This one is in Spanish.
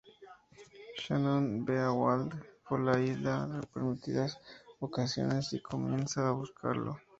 Shannon ve a Walt por la isla en repetidas ocasiones y comienza a buscarlo.